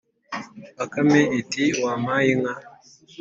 Bakame iti: "wampaye inka!